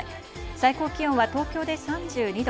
最高気温は東京で３２度、